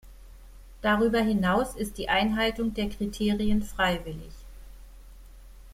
Darüber hinaus ist die Einhaltung der Kriterien freiwillig.